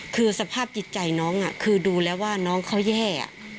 คือสภาพจิตใจน้องคือดูแล้วว่าน้องเขาแย่